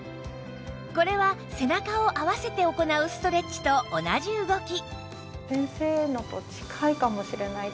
これは背中を合わせて行うストレッチと同じ動き